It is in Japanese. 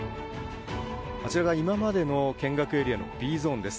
あちらが今までの見学エリアのＢゾーンです。